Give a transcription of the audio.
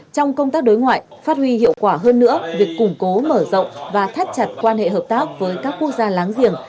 trong công tác đối ngoại phát huy hiệu quả hơn nữa việc củng cố mở rộng và thắt chặt quan hệ hợp tác với các quốc gia láng giềng